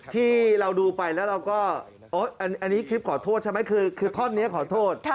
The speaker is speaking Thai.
ที่เราดูไปแล้วเราก็อันนี้คลิปขอโทษใช่ไหมคือท่อนนี้ขอโทษ